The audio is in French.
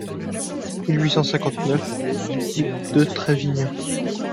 mille huit cent cinquante-neuf route de Trévignin